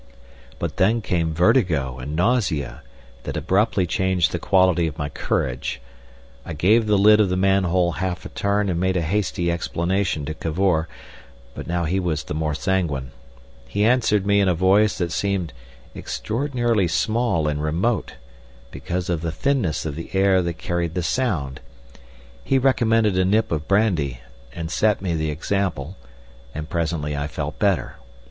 But then came vertigo and nausea that abruptly changed the quality of my courage. I gave the lid of the manhole half a turn and made a hasty explanation to Cavor; but now he was the more sanguine. He answered me in a voice that seemed extraordinarily small and remote, because of the thinness of the air that carried the sound. He recommended a nip of brandy, and set me the example, and presently I felt better.